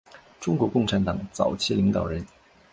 中国共产党早期领导人。